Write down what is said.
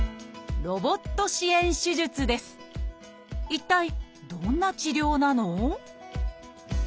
一体どんな治療なの？